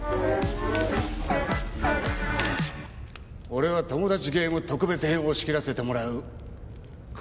俺はトモダチゲーム特別編を仕切らせてもらうクロキだ。